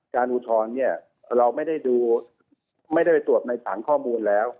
การอุทธรณ์เราไม่ได้ดูไม่ได้ไปตรวจในฐานข้อมูลแล้ว